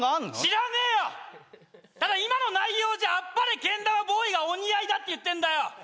知らねえよただ今の内容じゃ「あっぱれけん玉ボーイ」がお似合いだって言ってんだよ